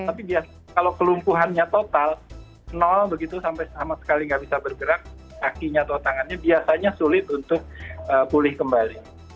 tapi kalau kelumpuhannya total begitu sampai sama sekali nggak bisa bergerak kakinya atau tangannya biasanya sulit untuk pulih kembali